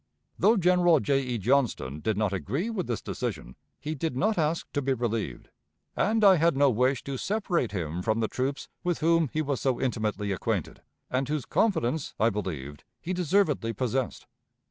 Though General J. E. Johnston did not agree with this decision, he did not ask to be relieved, and I had no wish to separate him from the troops with whom he was so intimately acquainted, and whose confidence I believed he deservedly possessed.